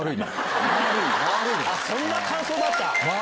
あっそんな感想だった？